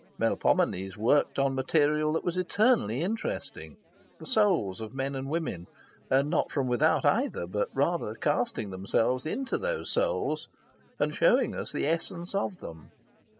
Melpomene's worked on material that was eternally interesting the souls of men and women; and not from without, either; but rather casting themselves into those souls and showing to us the essence of them.